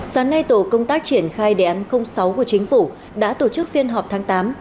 sáng nay tổ công tác triển khai đề án sáu của chính phủ đã tổ chức phiên họp tháng tám